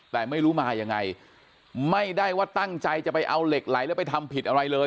แต่ไม่รู้มายังไงไม่ได้ว่าตั้งใจจะไปเอาเหล็กไหลแล้วไปทำผิดอะไรเลย